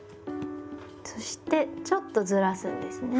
そしてちょっとずらすんですね。